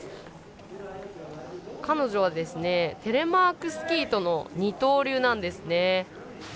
彼女はテレマークスキーと二刀流なんですね。